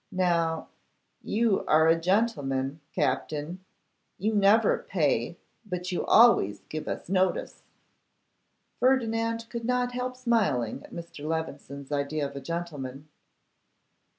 Now, you are a gentleman, Captin; you never pay, but you always give us notice.' Ferdinand could not help smiling at Mr. Levison's idea of a gentleman.